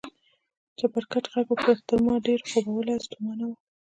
چپرکټ غږ وکړ، تر ما ډېر خوبولی او ستومانه و.